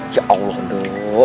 ya allah do